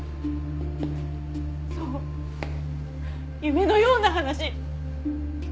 そう夢のような話。